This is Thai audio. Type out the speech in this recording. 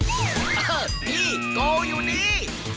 เอ้อเฮ่ยนี่เกาอยู่นี่